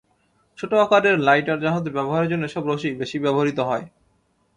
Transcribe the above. ছোট আকারের লাইটার জাহাজে ব্যবহারের জন্য এসব রশি বেশি ব্যবহূত হয়।